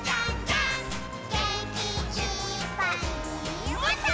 「げんきいっぱいもっと」